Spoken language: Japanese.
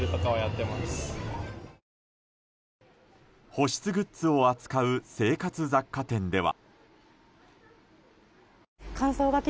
保湿グッズを扱う生活雑貨店では。